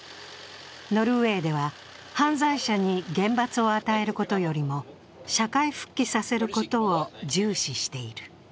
ノルウェーでは、犯罪者に厳罰を与えることよりも社会復帰させることを重視している。